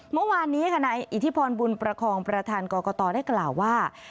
เมื่อวานนี้ค่ะนายอิทธิพรบุญประคองประธานกรกตได้กล่าวว่า